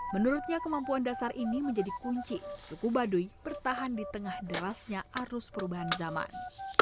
menurutnya kemampuan dasar ini menjadi kunci suku baduy bertahan di tengah derasnya arus perubahan zaman